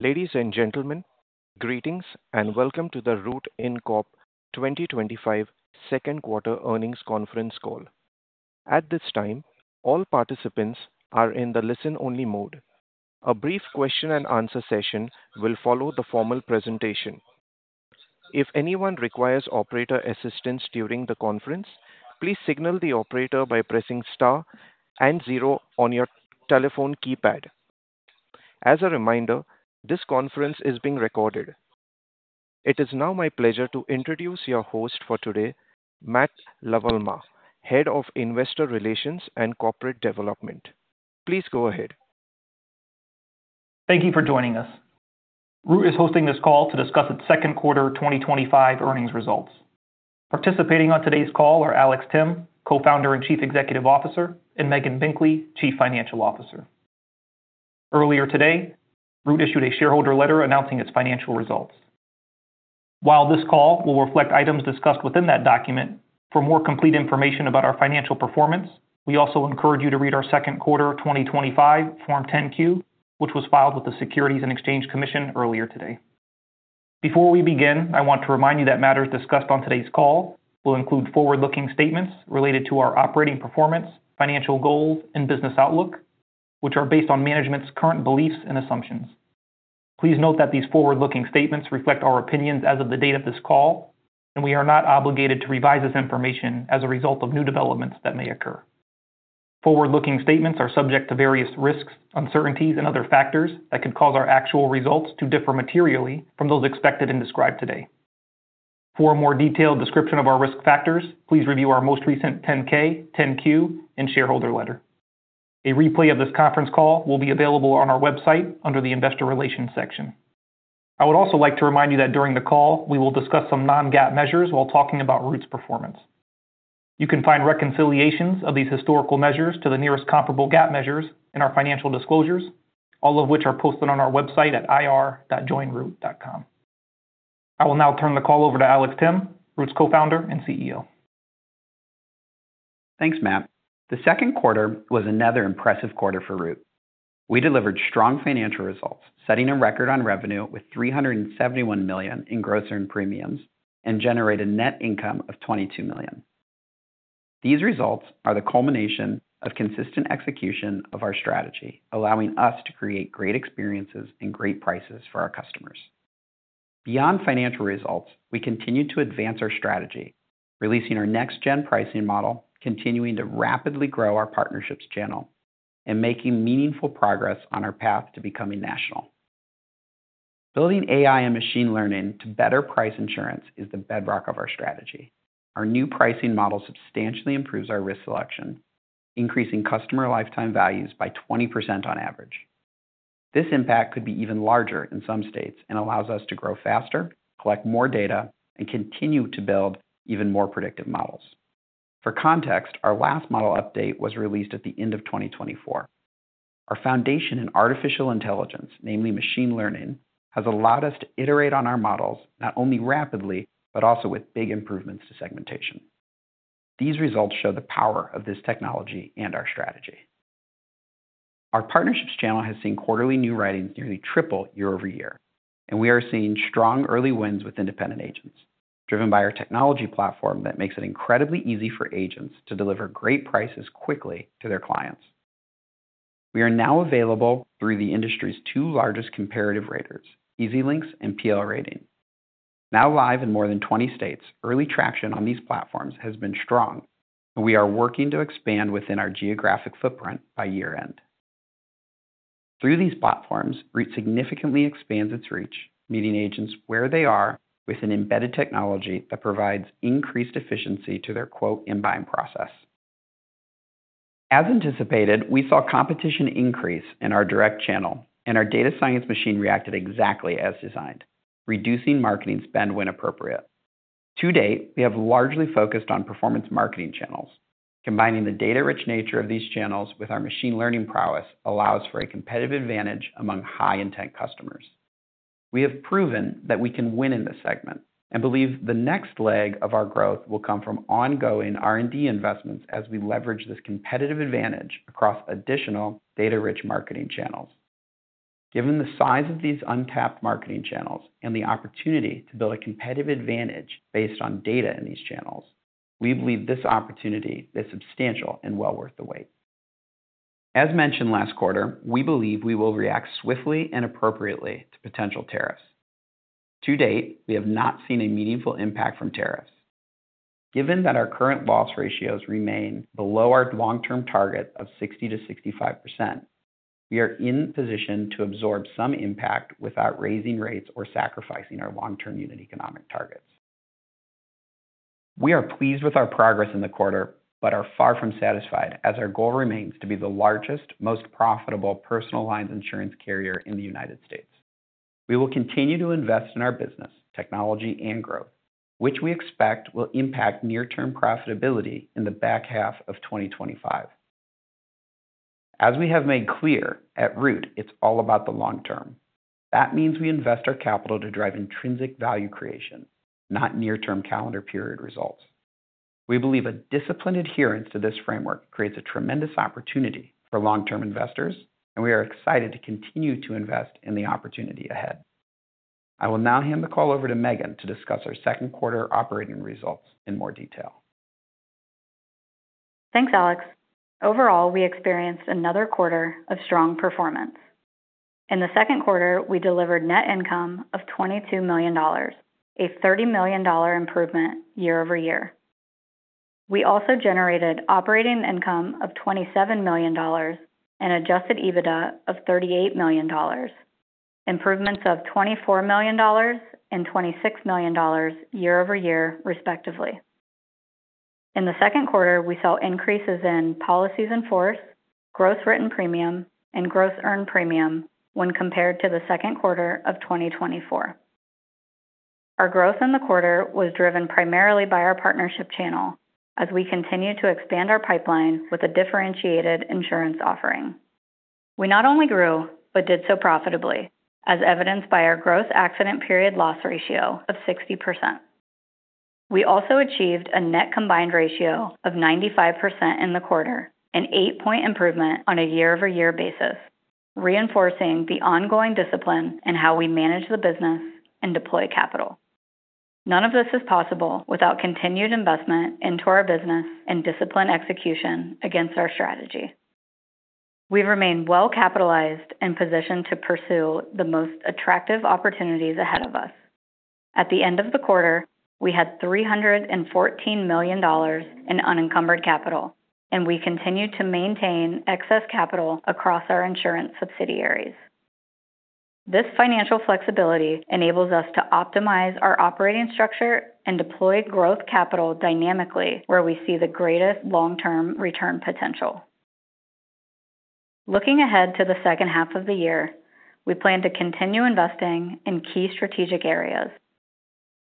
Ladies and gentlemen, greetings and welcome to the Root Inc 2025 Second Quarter Earnings Conference Call. At this time, all participants are in the listen-only mode. A brief question-and-answer session will follow the formal presentation. If anyone requires operator assistance during the conference, please signal the operator by pressing star and zero on your telephone keypad. As a reminder, this conference is being recorded. It is now my pleasure to introduce your host for today, Matt LaMalva, Head of Investor Relations and Corporate Development. Please go ahead. Thank you for joining us. Root is hosting this call to discuss its second quarter 2025 earnings results. Participating on today's call are Alex Timm, Co-founder and Chief Executive Officer, and Megan Binkley, Chief Financial Officer. Earlier today, Root issued a shareholder letter announcing its financial results. While this call will reflect items discussed within that document, for more complete information about our financial performance, we also encourage you to read our second quarter 2025 Form 10-Q, which was filed with the Securities and Exchange Commission earlier today. Before we begin, I want to remind you that matters discussed on today's call will include forward-looking statements related to our operating performance, financial goals, and business outlook, which are based on management's current beliefs and assumptions. Please note that these forward-looking statements reflect our opinions as of the date of this call, and we are not obligated to revise this information as a result of new developments that may occur. Forward-looking statements are subject to various risks, uncertainties, and other factors that could cause our actual results to differ materially from those expected and described today. For a more detailed description of our risk factors, please review our most recent 10-K, 10-Q, and shareholder letter. A replay of this conference call will be available on our website under the Investor Relations section. I would also like to remind you that during the call, we will discuss some non-GAAP measures while talking about Root's performance. You can find reconciliations of these historical measures to the nearest comparable GAAP measures in our financial disclosures, all of which are posted on our website at ir.joinroot.com. I will now turn the call over to Alex Timm, Root's Co-founder and CEO. Thanks, Matt. The second quarter was another impressive quarter for Root. We delivered strong financial results, setting a record on revenue with $371 million in gross earned premiums and generated a net income of $22 million. These results are the culmination of consistent execution of our strategy, allowing us to create great experiences and great prices for our customers. Beyond financial results, we continue to advance our strategy, releasing our next-gen pricing model, continuing to rapidly grow our partnerships channel, and making meaningful progress on our path to becoming national. Building AI and machine learning to better price insurance is the bedrock of our strategy. Our new pricing model substantially improves our risk selection, increasing customer lifetime values by 20% on average. This impact could be even larger in some states and allows us to grow faster, collect more data, and continue to build even more predictive models. For context, our last model update was released at the end of 2024. Our foundation in artificial intelligence, namely machine learning, has allowed us to iterate on our models not only rapidly but also with big improvements to segmentation. These results show the power of this technology and our strategy. Our partnerships channel has seen quarterly new writings nearly triple year over year, and we are seeing strong early wins with independent agents, driven by our technology platform that makes it incredibly easy for agents to deliver great prices quickly to their clients. We are now available through the industry's two largest comparative raters, EZLynx and PL Rating. Now live in more than 20 states, early traction on these platforms has been strong, and we are working to expand within our geographic footprint by year-end. Through these platforms, Root significantly expands its reach, meeting agents where they are with an embedded technology that provides increased efficiency to their quote and buying process. As anticipated, we saw competition increase in our direct channel, and our data science machine reacted exactly as designed, reducing marketing spend when appropriate. To date, we have largely focused on performance marketing channels. Combining the data-rich nature of these channels with our machine learning prowess allows for a competitive advantage among high-intent customers. We have proven that we can win in this segment and believe the next leg of our growth will come from ongoing R&D investments as we leverage this competitive advantage across additional data-rich marketing channels. Given the size of these untapped marketing channels and the opportunity to build a competitive advantage based on data in these channels, we believe this opportunity is substantial and well worth the wait. As mentioned last quarter, we believe we will react swiftly and appropriately to potential tariffs. To date, we have not seen a meaningful impact from tariffs. Given that our current loss ratios remain below our long-term target of 60%-65%, we are in a position to absorb some impact without raising rates or sacrificing our long-term unit economic targets. We are pleased with our progress in the quarter but are far from satisfied as our goal remains to be the largest, most profitable personal lines insurance carrier in the United States. We will continue to invest in our business, technology, and growth, which we expect will impact near-term profitability in the back half of 2025. As we have made clear at Root, it's all about the long term. That means we invest our capital to drive intrinsic value creation, not near-term calendar period results. We believe a disciplined adherence to this framework creates a tremendous opportunity for long-term investors, and we are excited to continue to invest in the opportunity ahead. I will now hand the call over to Megan to discuss our second quarter operating results in more detail. Thanks, Alex. Overall, we experienced another quarter of strong performance. In the second quarter, we delivered net income of $22 million, a $30 million improvement year-over-year. We also generated operating income of $27 million and adjusted EBITDA of $38 million, improvements of $24 million and $26 million year-over-year, respectively. In the second quarter, we saw increases in policies in force, gross written premium, and gross earned premium when compared to the second quarter of 2024. Our growth in the quarter was driven primarily by our partnership channel, as we continue to expand our pipeline with a differentiated insurance offering. We not only grew but did so profitably, as evidenced by our gross accident period loss ratio of 60%. We also achieved a net combined ratio of 95% in the quarter, an eight-point improvement on a year-over-year basis, reinforcing the ongoing discipline in how we manage the business and deploy capital. None of this is possible without continued investment into our business and disciplined execution against our strategy. We remain well capitalized and positioned to pursue the most attractive opportunities ahead of us. At the end of the quarter, we had $314 million in unencumbered capital, and we continue to maintain excess capital across our insurance subsidiaries. This financial flexibility enables us to optimize our operating structure and deploy growth capital dynamically where we see the greatest long-term return potential. Looking ahead to the second half of the year, we plan to continue investing in key strategic areas,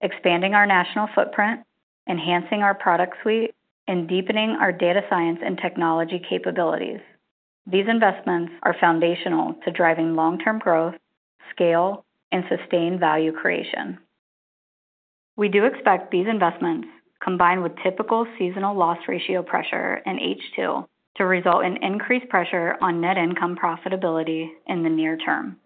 expanding our national footprint, enhancing our product suite, and deepening our data science and technology capabilities. These investments are foundational to driving long-term growth, scale, and sustained value creation. We do expect these investments, combined with typical seasonal loss ratio pressure in H2, to result in increased pressure on net income profitability in the near term.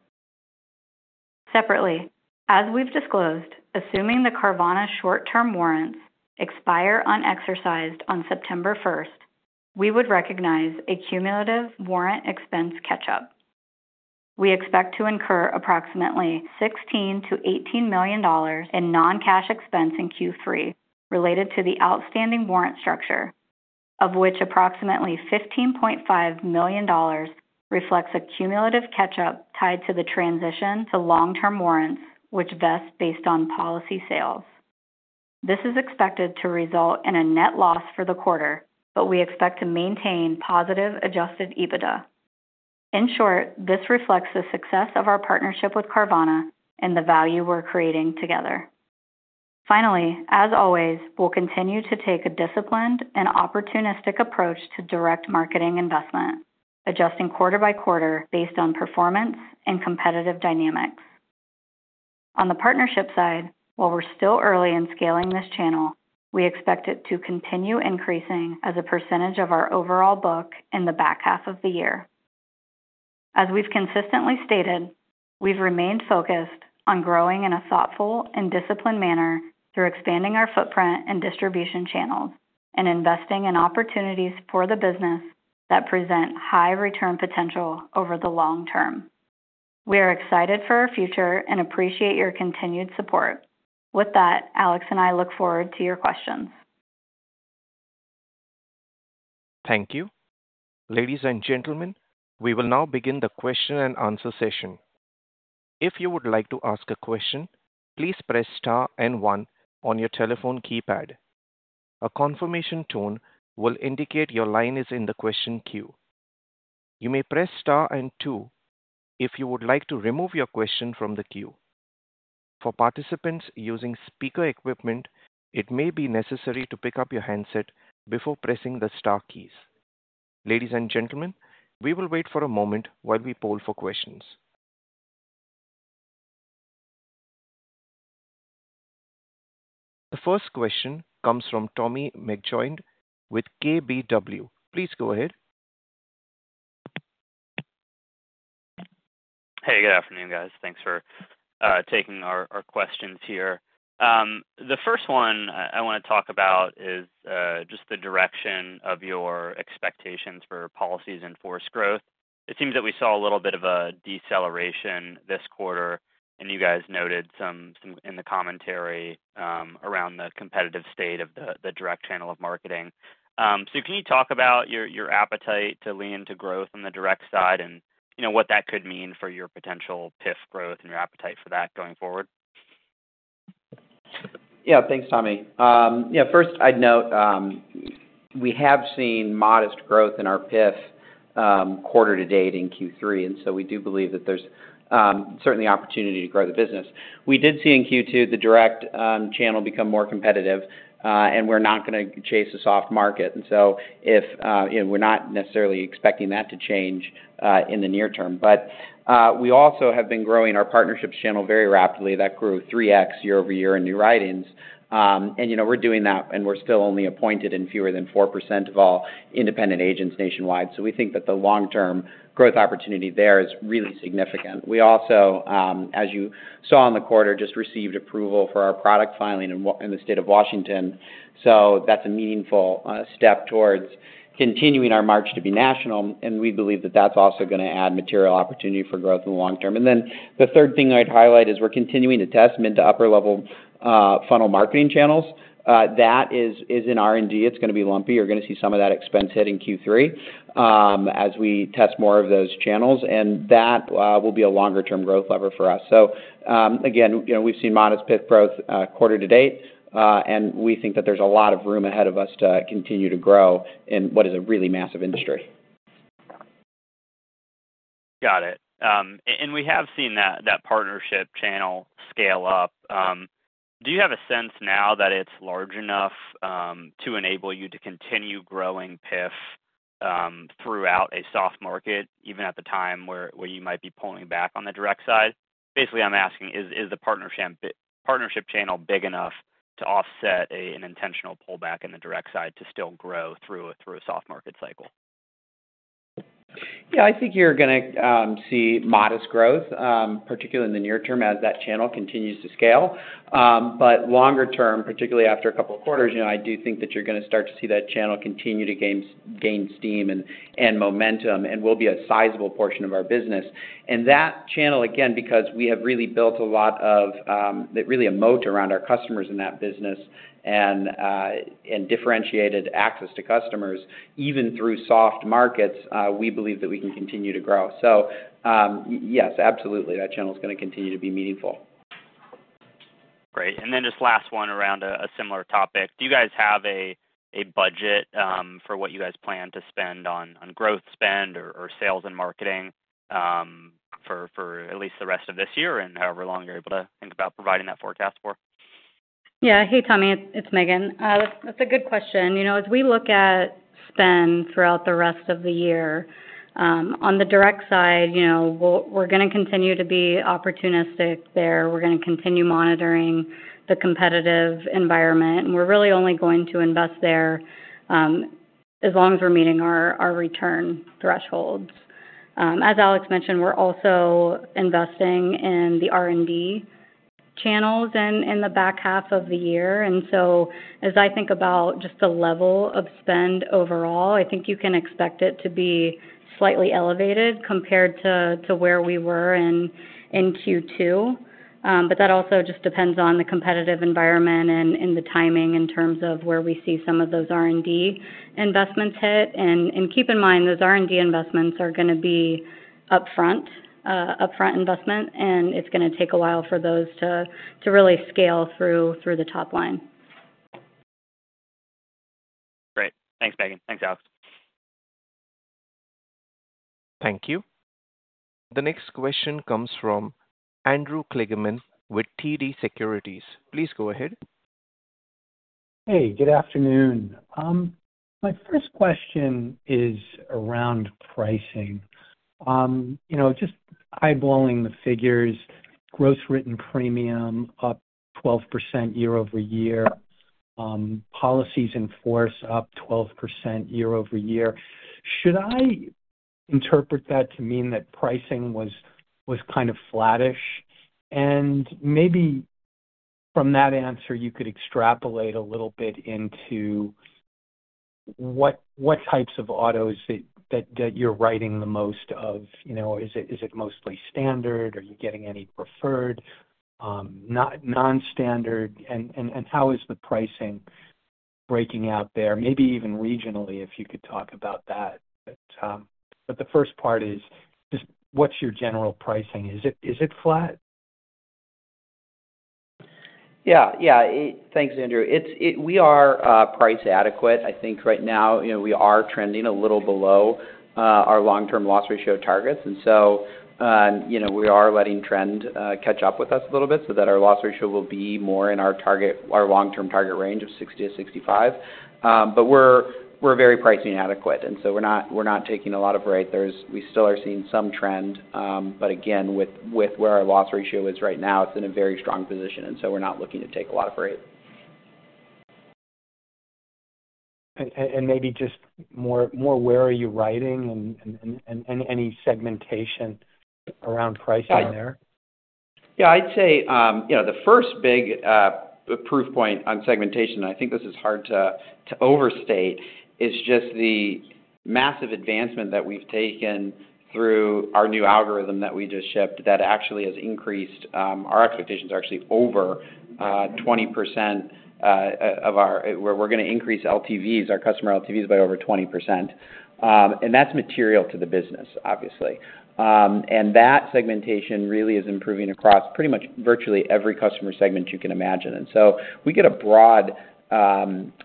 Separately, as we've disclosed, assuming the Carvana short-term warrants expire unexercised on September 1st, we would recognize a cumulative warrant expense catch-up. We expect to incur approximately $16 million-$18 million in non-cash expense in Q3 related to the outstanding warrant structure, of which approximately $15.5 million reflects a cumulative catch-up tied to the transition to long-term warrants, which vests based on policy sales. This is expected to result in a net loss for the quarter, but we expect to maintain positive adjusted EBITDA. In short, this reflects the success of our partnership with Carvana and the value we're creating together. Finally, as always, we'll continue to take a disciplined and opportunistic approach to direct marketing investment, adjusting quarter by quarter based on performance and competitive dynamics. On the partnership side, while we're still early in scaling this channel, we expect it to continue increasing as a percentage of our overall book in the back half of the year. As we've consistently stated, we've remained focused on growing in a thoughtful and disciplined manner through expanding our footprint and distribution channels and investing in opportunities for the business that present high return potential over the long term. We are excited for our future and appreciate your continued support. With that, Alex and I look forward to your questions. Thank you. Ladies and gentlemen, we will now begin the question-and-answer session. If you would like to ask a question, please press star and one on your telephone keypad. A confirmation tone will indicate your line is in the question queue. You may press star and two if you would like to remove your question from the queue. For participants using speaker equipment, it may be necessary to pick up your handset before pressing the star keys. Ladies and gentlemen, we will wait for a moment while we poll for questions. The first question comes from Tommy McJoynt with KBW. Please go ahead. Hey, good afternoon, guys. Thanks for taking our questions here. The first one I want to talk about is just the direction of your expectations for policies in force growth. It seems that we saw a little bit of a deceleration this quarter, and you guys noted some in the commentary around the competitive state of the direct channel of marketing. Can you talk about your appetite to lean into growth on the direct side and what that could mean for your potential PIF growth and your appetite for that going forward? Yeah, thanks, Tommy. First, I'd note we have seen modest growth in our PIF quarter-to-date in Q3, and we do believe that there's certainly opportunity to grow the business. We did see in Q2 the direct channel become more competitive, and we're not going to chase a soft market. We're not necessarily expecting that to change in the near term. We also have been growing our partnership channel very rapidly. That grew 3x year-over-year in new writings, and we're doing that, and we're still only appointed in fewer than 4% of all independent agents nationwide. We think that the long-term growth opportunity there is really significant. As you saw in the quarter, we just received approval for our product filing in the state of Washington. That's a meaningful step towards continuing our march to be national, and we believe that that's also going to add material opportunity for growth in the long term. The third thing I'd highlight is we're continuing to test mid to upper-level funnel marketing channels. That is in R&D. It's going to be lumpy. You're going to see some of that expense hit in Q3 as we test more of those channels, and that will be a longer-term growth lever for us. Again, we've seen modest PIF growth quarter to date, and we think that there's a lot of room ahead of us to continue to grow in what is a really massive industry. Got it. We have seen that partnership channel scale up. Do you have a sense now that it's large enough to enable you to continue growing PIF throughout a soft market, even at the time where you might be pulling back on the direct side? Basically, I'm asking, is the partnership channel big enough to offset an intentional pullback in the direct side to still grow through a soft market cycle? Yeah, I think you're going to see modest growth, particularly in the near term as that channel continues to scale. Longer term, particularly after a couple of quarters, I do think that you're going to start to see that channel continue to gain steam and momentum and will be a sizable portion of our business. That channel, again, because we have really built a lot of, really a moat around our customers in that business and differentiated access to customers, even through soft markets, we believe that we can continue to grow. Yes, absolutely, that channel is going to continue to be meaningful. Great. Just last one around a similar topic. Do you guys have a budget for what you guys plan to spend on growth spend or sales and marketing for at least the rest of this year and however long you're able to think about providing that forecast for? Yeah. Hey, Tommy, it's Megan. That's a good question. As we look at spend throughout the rest of the year, on the direct side, you know we're going to continue to be opportunistic there. We're going to continue monitoring the competitive environment, and we're really only going to invest there as long as we're meeting our return thresholds. As Alex mentioned, we're also investing in the R&D channels in the back half of the year. As I think about just the level of spend overall, I think you can expect it to be slightly elevated compared to where we were in Q2. That also just depends on the competitive environment and the timing in terms of where we see some of those R&D investments hit. Keep in mind, those R&D investments are going to be upfront investment, and it's going to take a while for those to really scale through the top line. Great. Thanks, Megan. Thanks, Alex. Thank you. The next question comes from Andrew Kligerman with TD Securities. Please go ahead. Hey, good afternoon. My first question is around pricing. You know, just eyeballing the figures, gross written premium up 12% year-over-year, policies in force up 12% year-over-year. Should I interpret that to mean that pricing was kind of flattish? From that answer, you could extrapolate a little bit into what types of autos that you're writing the most of. You know, is it mostly standard? Are you getting any preferred, non-standard? How is the pricing breaking out there? Maybe even regionally, if you could talk about that. The first part is just what's your general pricing? Is it flat? Yeah, thanks, Andrew. We are price adequate. I think right now, you know, we are trending a little below our long-term loss ratio targets. You know, we are letting trend catch up with us a little bit so that our loss ratio will be more in our long-term target range of 60%-65%. We're very pricing adequate, and we're not taking a lot of rate. We still are seeing some trend. Again, with where our loss ratio is right now, it's in a very strong position. We're not looking to take a lot of rate. Maybe just more where are you writing and any segmentation around pricing there? I'd say the first big proof point on segmentation, and I think this is hard to overstate, is just the massive advancement that we've taken through our new algorithm that we just shipped that actually has increased our expectations actually over 20% of our where we're going to increase LTVs, our customer LTVs by over 20%. That's material to the business, obviously. That segmentation really is improving across pretty much virtually every customer segment you can imagine.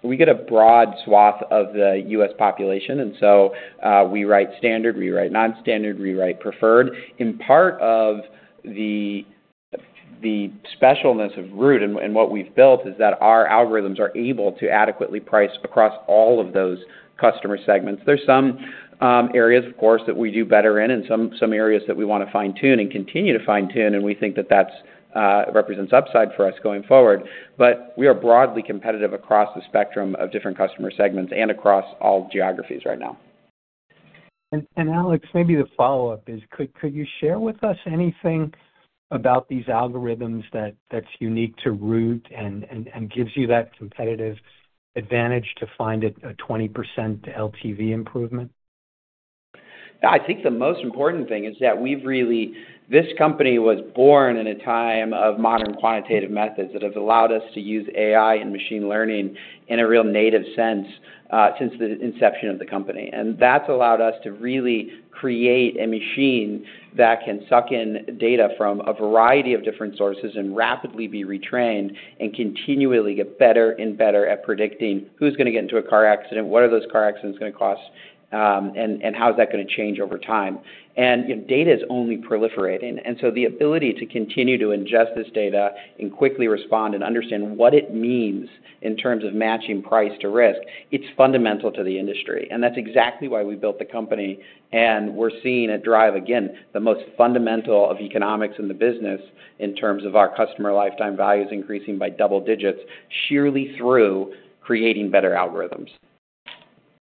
We get a broad swath of the U.S. population. We write standard, we write non-standard, we write preferred. Part of the specialness of Root and what we've built is that our algorithms are able to adequately price across all of those customer segments. There are some areas, of course, that we do better in and some areas that we want to fine-tune and continue to fine-tune. We think that that represents upside for us going forward. We are broadly competitive across the spectrum of different customer segments and across all geographies right now. Alex, maybe the follow-up is, could you share with us anything about these algorithms that's unique to Root and gives you that competitive advantage to find a 20% LTV improvement? I think the most important thing is that we've really, this company was born in a time of modern quantitative methods that have allowed us to use AI and machine learning in a real native sense since the inception of the company. That's allowed us to really create a machine that can suck in data from a variety of different sources and rapidly be retrained and continually get better and better at predicting who's going to get into a car accident, what are those car accidents going to cost, and how is that going to change over time. Data is only proliferating. The ability to continue to ingest this data and quickly respond and understand what it means in terms of matching price to risk, it's fundamental to the industry. That's exactly why we built the company. We're seeing it drive, again, the most fundamental of economics in the business in terms of our customer lifetime values increasing by double digits sheerly through creating better algorithms.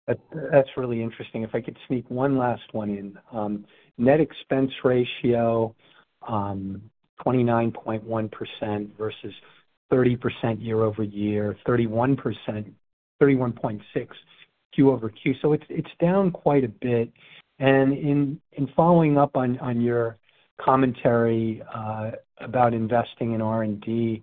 That's really interesting. If I could sneak one last one in, net expense ratio 29.1% versus 30% year-over-year, 31.6% Q-over-Q. It is down quite a bit. In following up on your commentary about investing in R&D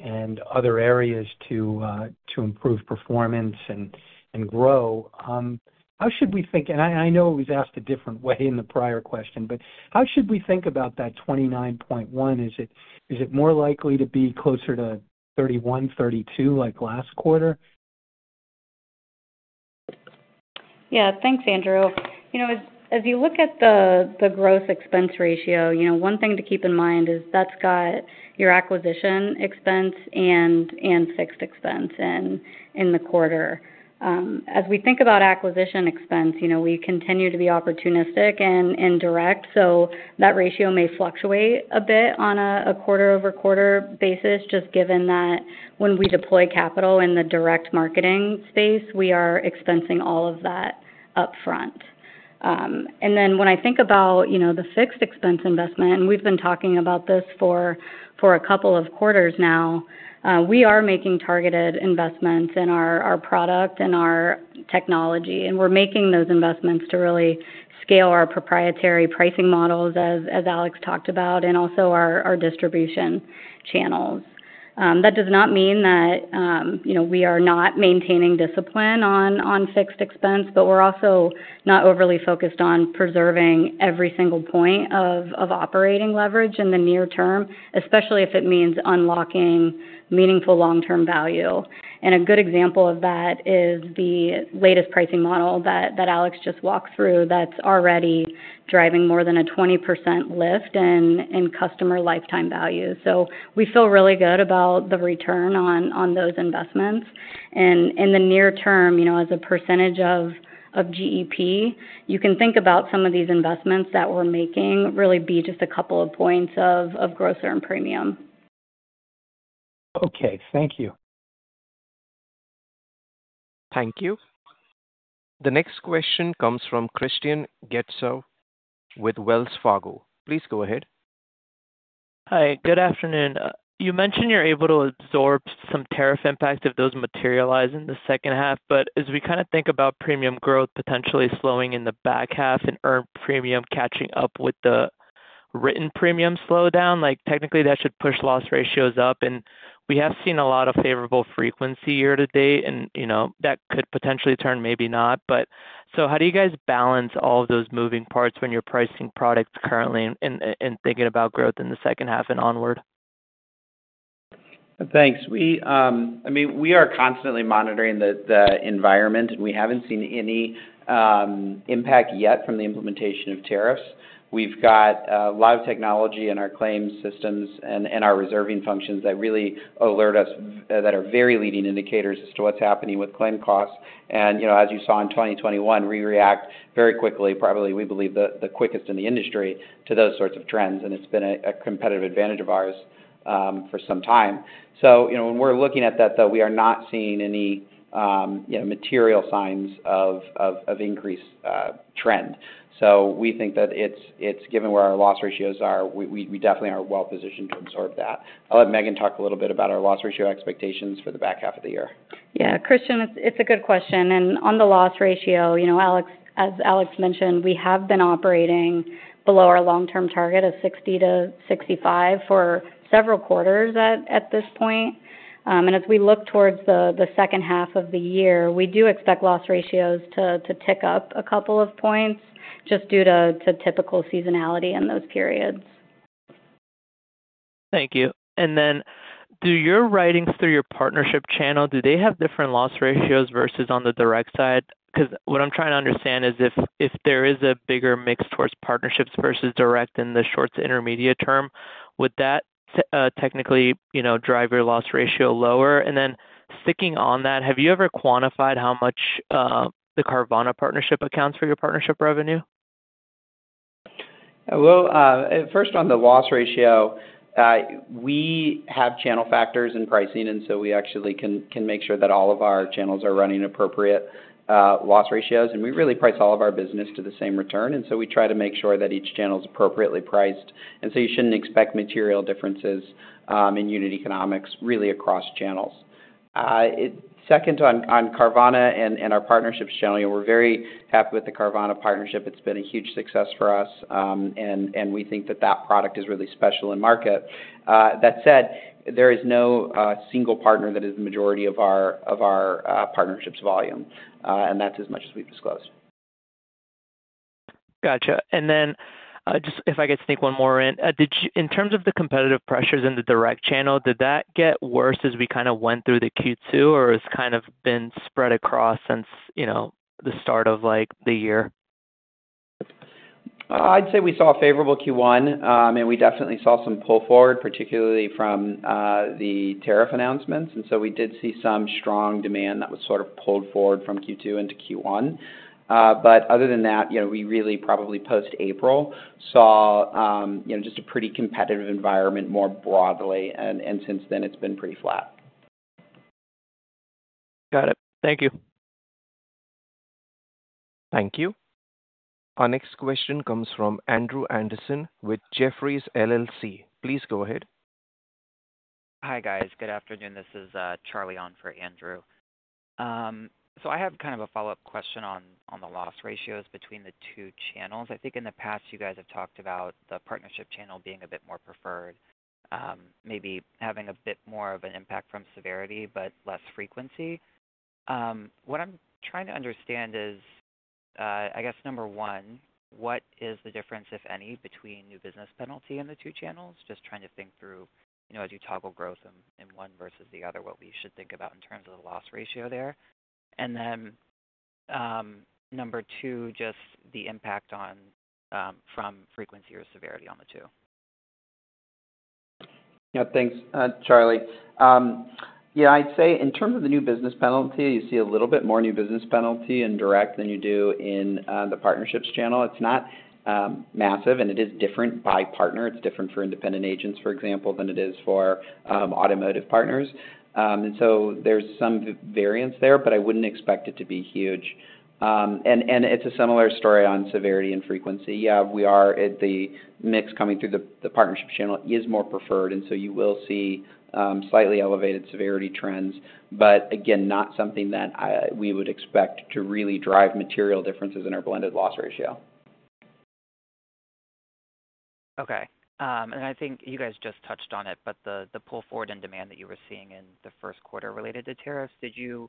and other areas to improve performance and grow, how should we think? I know it was asked a different way in the prior question, but how should we think about that 29.1%? Is it more likely to be closer to 31%, 32% like last quarter? Yeah, thanks, Andrew. As you look at the gross expense ratio, one thing to keep in mind is that's got your acquisition expense and fixed expense in the quarter. As we think about acquisition expense, we continue to be opportunistic and indirect. That ratio may fluctuate a bit on a quarter over quarter basis, just given that when we deploy capital in the direct marketing space, we are expensing all of that upfront. When I think about the fixed expense investment, and we've been talking about this for a couple of quarters now, we are making targeted investments in our product and our technology. We're making those investments to really scale our proprietary pricing models, as Alex talked about, and also our distribution channels. That does not mean that we are not maintaining discipline on fixed expense, but we're also not overly focused on preserving every single point of operating leverage in the near term, especially if it means unlocking meaningful long-term value. A good example of that is the latest pricing model that Alex just walked through that's already driving more than a 20% lift in customer lifetime value. We feel really good about the return on those investments. In the near term, as a percentage of GEP, you can think about some of these investments that we're making really be just a couple of points of gross earned premium. Okay, thank you. Thank you. The next question comes from Hristian Getsov with Wells Fargo. Please go ahead. Hi, good afternoon. You mentioned you're able to absorb some tariff impacts if those materialize in the second half, but as we kind of think about premium growth potentially slowing in the back half and earned premium catching up with the written premium slowdown, technically that should push loss ratios up. We have seen a lot of favorable frequency year-to-date, and you know that could potentially turn, maybe not. How do you guys balance all of those moving parts when you're pricing products currently and thinking about growth in the second half and onward? Thanks. We are constantly monitoring the environment, and we haven't seen any impact yet from the implementation of tariffs. We've got a lot of technology in our claims systems and our reserving functions that really alert us, that are very leading indicators as to what's happening with claim costs. As you saw in 2021, we react very quickly, probably, we believe, the quickest in the industry to those sorts of trends. It's been a competitive advantage of ours for some time. When we're looking at that, though, we are not seeing any material signs of increased trend. We think that, given where our loss ratios are, we definitely are well positioned to absorb that. I'll let Megan talk a little bit about our loss ratio expectations for the back half of the year. Yeah, Hristian, it's a good question. On the loss ratio, you know, as Alex mentioned, we have been operating below our long-term target of 60%-65% for several quarters at this point. As we look towards the second half of the year, we do expect loss ratios to tick up a couple of points just due to typical seasonality in those periods. Thank you. Do your writings through your partnership channel have different loss ratios versus on the direct side? What I'm trying to understand is if there is a bigger mix towards partnerships versus direct in the short to intermediate term, would that technically drive your loss ratio lower? Sticking on that, have you ever quantified how much the Carvana partnership accounts for your partnership revenue? On the loss ratio, we have channel factors in pricing, and we actually can make sure that all of our channels are running appropriate loss ratios. We really price all of our business to the same return, and we try to make sure that each channel is appropriately priced. You shouldn't expect material differences in unit economics really across channels. On Carvana and our partnerships channel, we're very happy with the Carvana partnership. It's been a huge success for us, and we think that that product is really special in market. That said, there is no single partner that is the majority of our partnerships volume, and that's as much as we've disclosed. Gotcha. If I could sneak one more in, in terms of the competitive pressures in the direct channel, did that get worse as we kind of went through the Q2, or has it kind of been spread across since the start of the year? I'd say we saw a favorable Q1. We definitely saw some pull forward, particularly from the tariff announcements. We did see some strong demand that was sort of pulled forward from Q2 into Q1. Other than that, we probably post-April saw just a pretty competitive environment more broadly. Since then, it's been pretty flat. Got it. Thank you. Thank you. Our next question comes from Andrew Andersen with Jefferies LLC. Please go ahead. Hi guys, good afternoon. This is Charlie on for Andrew. I have kind of a follow-up question on the loss ratios between the two channels. I think in the past, you guys have talked about the partnership channel being a bit more preferred, maybe having a bit more of an impact from severity, but less frequency. What I'm trying to understand is, I guess number one, what is the difference, if any, between new business penalty and the two channels? Just trying to think through, you know, as you toggle growth in one versus the other, what we should think about in terms of the loss ratio there. Number two, just the impact from frequency or severity on the two. Yeah, thanks, Charlie. I'd say in terms of the new business penalty, you see a little bit more new business penalty in direct than you do in the partnership channel. It's not massive, and it is different by partner. It's different for independent agents, for example, than it is for automotive partners. There is some variance there, but I wouldn't expect it to be huge. It's a similar story on severity and frequency. We are at the mix coming through the partnership channel is more preferred, and so you will see slightly elevated severity trends, but again, not something that we would expect to really drive material differences in our blended loss ratio. Okay. I think you guys just touched on it, but the pull forward in demand that you were seeing in the first quarter related to tariffs, did you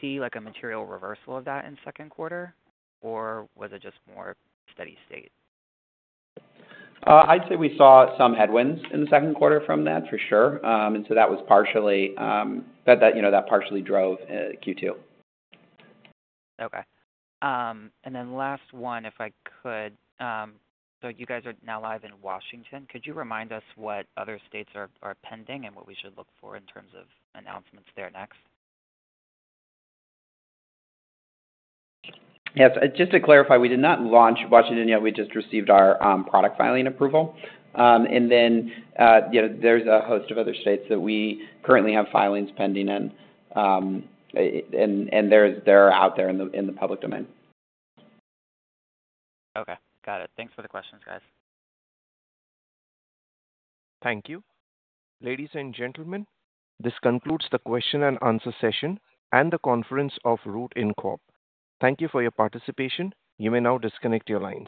see like a material reversal of that in the second quarter, or was it just more steady state? I'd say we saw some headwinds in the second quarter from that for sure. That partially drove Q2. Okay, if I could, you guys are now live in Washington. Could you remind us what other states are pending and what we should look for in terms of announcements there next? Yes, just to clarify, we did not launch Washington yet. We just received our product filing approval, and then there's a host of other states that we currently have filings pending in, and they're out there in the public domain. Okay. Got it. Thanks for the questions, guys. Thank you. Ladies and gentlemen, this concludes the question-and-answer session and the conference of Root Inc. Thank you for your participation. You may now disconnect your lines.